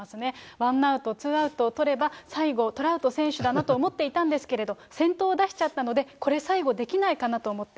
ワンアウト、ツーアウトをとれば、最後、トラウト選手だなと思っていたんですけれども、先頭出しちゃったので、これ、最後できないかと思って。